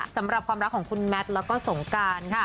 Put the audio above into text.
สำหรับความรักของคุณแมทแล้วก็สงการค่ะ